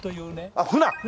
あっフナ。